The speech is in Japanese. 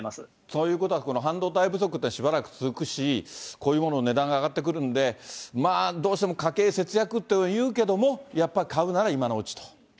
ということは、この半導体不足っていうのはしばらく続くし、こういうものの値段が上がってくるんで、まあ、どうしても家計節約と言うけども、やっぱり買うなら今のうちと？